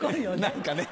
何かね。